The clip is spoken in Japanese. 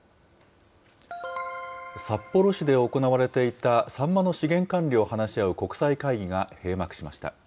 札幌市で行われていたサンマの資源管理を話し合う国際会議が閉幕しました。